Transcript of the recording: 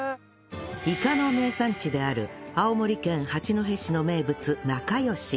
イカの名産地である青森県八戸市の名物なかよし